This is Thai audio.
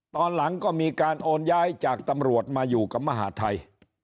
ตอนหลังก็มีการโอนย้ายจากตำรวจมาอยู่กับมหาทัย